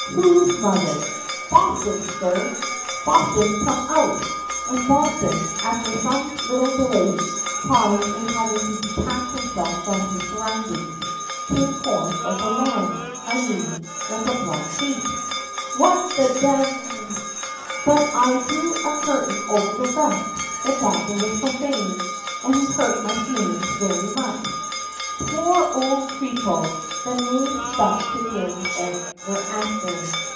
"Whose mother?" "Boston's, sir." "Boston, come out!" And Boston, after some little delay caused in having to detach himself from surroundings, came forth like a lamb I mean, like a black sheep. "What the dev !" But I draw a curtain over the rest; the doctor was profane, and he hurt my feelings very much. Poor old Treacle! The name stuck to him ever after.